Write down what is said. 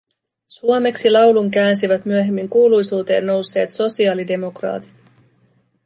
Suomeksi laulun käänsivät myöhemmin kuuluisuuteen nousseet sosiaalidemokraatit